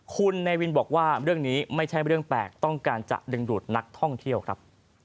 คุณเนวินบอกว่าเรื่องนี้ไม่ใช่เรื่องแปลกต้องการจะดึงดูดนักท่องเที่ยวครับ